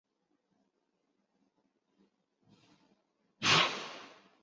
石川贞清是安土桃山时代至江户时代前期的武将和大名。